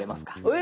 え？